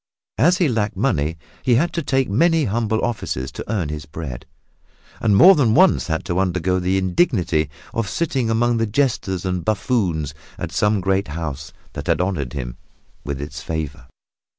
As he lacked money, he had to take many humble offices to earn his bread, and more than once had to undergo the indignity of sitting among the jesters and buffoons at some great house that had honored him with its favor.